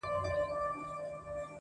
یو له بله سره بېل سو په کلونو!.